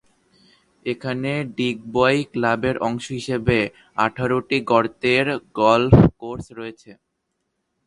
এখানে ডিগবয় ক্লাবের অংশ হিসাবে আঠারোটি গর্তের গল্ফ কোর্স রয়েছে।